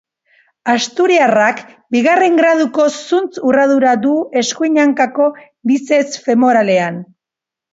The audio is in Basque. Asturiarrak bigarren graduko zuntz-urradura du eskuin hankako bizeps femoralean.